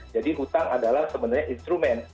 jadi utang adalah sebenarnya instrumen